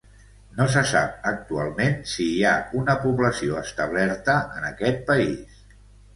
No se sap actualment si hi ha una població establerta en aquest país.